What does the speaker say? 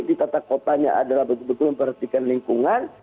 di tata kotanya adalah betul betul memperhatikan lingkungan